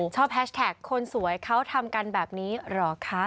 แฮชแท็กคนสวยเขาทำกันแบบนี้เหรอคะ